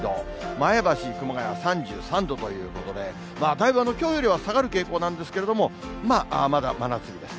前橋、熊谷３３度ということで、だいぶ、きょうよりは下がる傾向なんですけれども、まあまだ真夏日です。